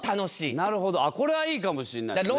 なるほどこれはいいかもしんないですね。